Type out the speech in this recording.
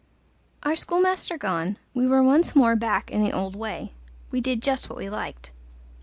Our schoolmaster gone, we were once more back in the old way; we did just what we liked.